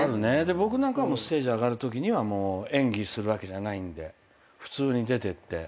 僕なんかはステージ上がるときには演技するわけじゃないんで普通に出てって。